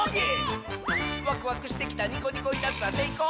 「ワクワクしてきたニコニコいたずら」「せいこう？